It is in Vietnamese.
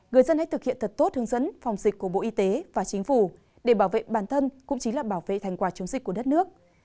người dân hãy thực hiện thật tốt hướng dẫn phòng dịch của bộ y tế và chính phủ để bảo vệ bản thân cũng chính là bảo vệ thành quả chống dịch của đất nước